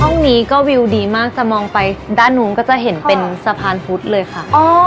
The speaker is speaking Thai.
ห้องนี้ก็วิวดีมากจะมองไปด้านนู้นก็จะเห็นเป็นสะพานพุธเลยค่ะ